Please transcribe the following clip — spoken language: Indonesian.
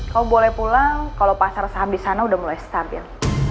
kamu boleh pulang kalo pasar sahab disana udah mulai stabil